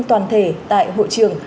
toàn thể tại hội trường